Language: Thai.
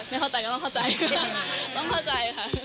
ไม่เข้าใจก็ต้องเข้าใจค่ะ